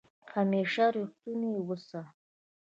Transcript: همېشه ریښتونی اوسه